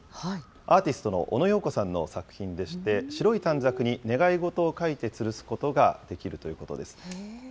アーティストのオノ・ヨーコさんの作品でして、白い短冊に願い事を書いてつるすことができるということです。